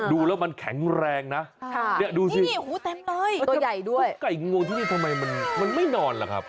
ดูแล้วมันแข็งแรงนะเนี่ยดูสิตัวใหญ่ด้วยไก่งวงที่นี่ทำไมมันไม่นอนล่ะครับ